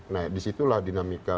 nah disitulah dinamika